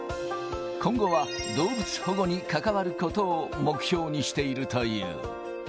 今後は動物保護に関わることを目標にしているという。